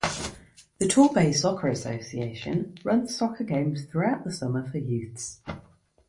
The Torbay soccer association runs soccer games throughout the summer for youths.